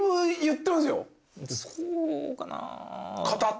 そうかなぁ。